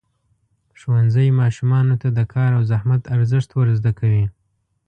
ښوونځی ماشومانو ته د کار او زحمت ارزښت ورزده کوي.